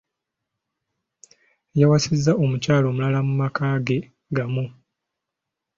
Yawasizza omukyala omulala mu maka ge gamu.